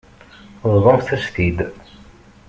Bḍumt-as-t-id.